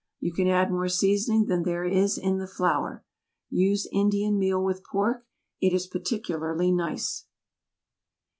You can add more seasoning than there is in the flour. Use Indian meal with pork; it is particularly nice.